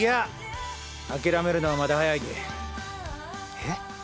えっ？